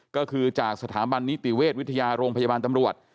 ก็คือจากสถาบันนิติเวชวิทยาโรงพยาบาลตำรวจ